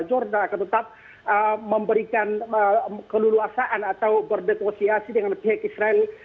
mesir dan juga negara jordan akan tetap memberikan keluluasaan atau berdekosiasi dengan pihak israel